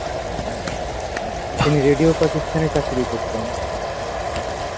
তিনি রেডিও পাকিস্তান-এ চাকুরী করতেন।